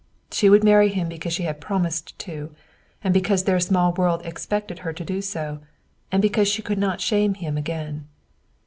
She would marry him because she had promised to, and because their small world expected her to do so; and because she could not shame him again.